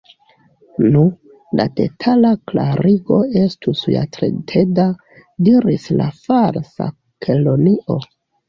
"Nu, la detala klarigo estus ja tre teda," diris la Falsa Kelonio.